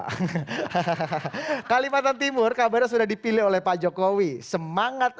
hahaha kalimantan timur kabarnya sudah dipilih oleh pak jokowi semangat